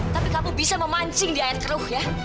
tapi kamu bisa memancing di air keruh ya